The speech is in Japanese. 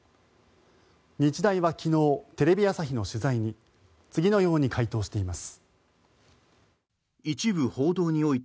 日大は昨日、テレビ朝日の取材に次のように回答しています。